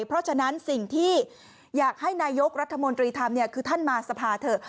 เพราะฉะนั้นสิ่งที่อยากให้นายกรัฐมนตรีทำคือท่านมาสภาเถอะ